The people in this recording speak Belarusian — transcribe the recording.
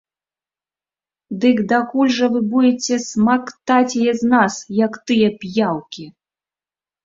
Дык дакуль жа вы будзеце смактаць яе з нас, як тыя п'яўкі!